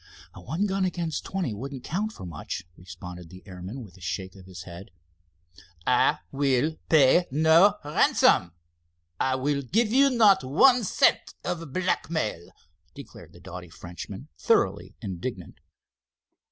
"One gun against twenty wouldn't count for much," responded the airman, with a shake of his head. "I will pay no ransom, I will give you not one cent of blackmail," declared the doughty Frenchman, thoroughly indignant.